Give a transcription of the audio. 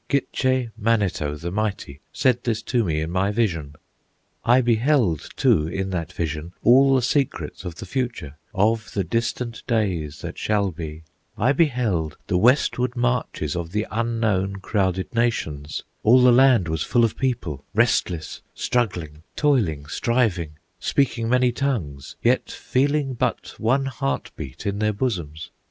Gitche Manito, the Mighty, Said this to me in my vision. "I beheld, too, in that vision All the secrets of the future, Of the distant days that shall be. I beheld the westward marches Of the unknown, crowded nations. All the land was full of people, Restless, struggling, toiling, striving, Speaking many tongues, yet feeling But one heart beat in their bosoms.